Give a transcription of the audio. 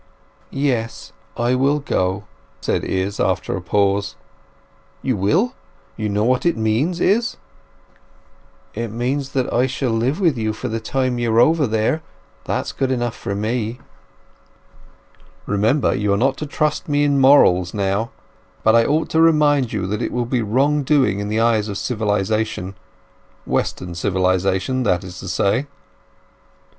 "Yes—I will go," said Izz, after a pause. "You will? You know what it means, Izz?" "It means that I shall live with you for the time you are over there—that's good enough for me." "Remember, you are not to trust me in morals now. But I ought to remind you that it will be wrong doing in the eyes of civilization—Western civilization, that is to say."